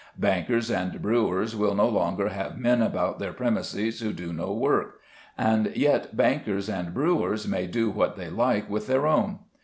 Bankers and brewers will no longer have men about their premises who do not work; and yet bankers and brewers may do what they like with their own.